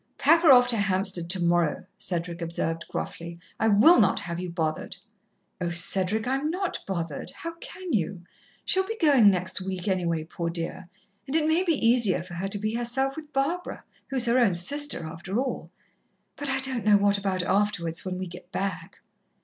"Pack her off to Hampstead tomorrow," Cedric observed gruffly. "I will not have you bothered." "Oh, Cedric! I'm not bothered how can you? She'll be going next week, anyway, poor dear, and it may be easier for her to be herself with Barbara, who's her own sister, after all. But I don't know what about afterwards when we get back."